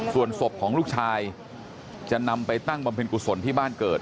ส่วนศพของลูกชายจะนำไปตั้งบำเพ็ญกุศลที่บ้านเกิด